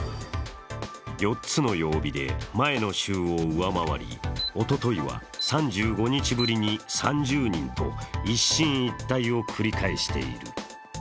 ４つの曜日で前の週を上回り、おとといは３５日ぶりに３０人と、一進一退を繰り返している。